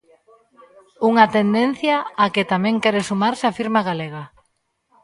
Unha tendencia á que tamén quere sumarse a firma galega.